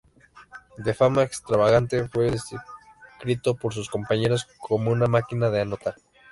De fama extravagante, fue descrito por sus compañeros como una "máquina de anotar".